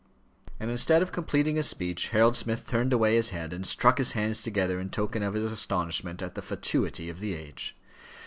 and instead of completing his speech Harold Smith turned away his head, and struck his hands together in token of his astonishment at the fatuity of the age.